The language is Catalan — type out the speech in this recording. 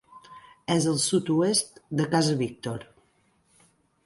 És al sud-oest de Casa Víctor.